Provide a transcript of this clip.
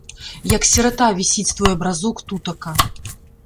Як сірата, вісіць твой абразок тутака.